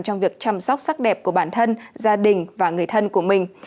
trong việc chăm sóc sắc đẹp của bản thân gia đình và người thân của mình